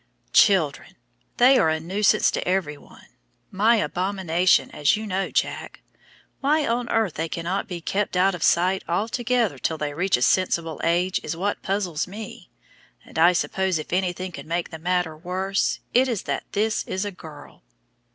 "Children! They are a nuisance to everyone my abomination, as you know, Jack. Why on earth they can not be kept out of sight altogether till they reach a sensible age is what puzzles me! And I suppose if anything could make the matter worse, it is that this is a girl."